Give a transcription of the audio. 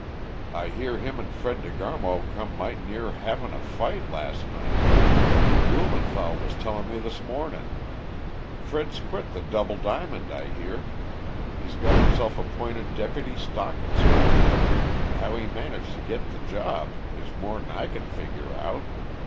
I hear him and Fred De Garmo come might' near havin' a fight las' night. Blumenthall was tellin' me this mornin'. Fred's quit the Double Diamond, I hear. He's got himself appointed dep'ty stock inspector and how he managed to git the job is more 'n I can figure out.